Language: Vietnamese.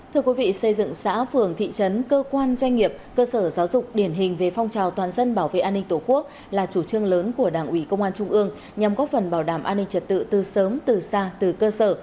thưa quý vị xây dựng xã phường thị trấn cơ quan doanh nghiệp cơ sở giáo dục điển hình về phong trào toàn dân bảo vệ an ninh tổ quốc là chủ trương lớn của đảng ủy công an trung ương nhằm góp phần bảo đảm an ninh trật tự từ sớm từ xa từ cơ sở